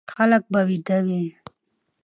خلک به ويده وي،